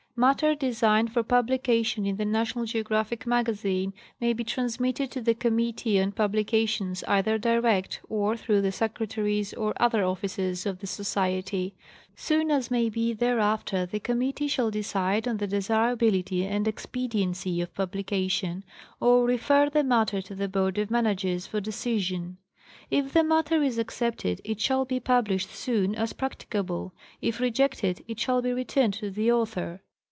6. Matter designed for publication in the National Geo graphic Magazine may be transmitted to the Committee on Pub lications either direct or through the secretaries or other officers of the Society : soon as may be thereafter the Committee shall decide on the desirability and expediency of publication, or refer the matter to the Board of Managers for decision ; if the matter is accepted it shall be published soon as practicable ; if rejected it shall be returned to the author.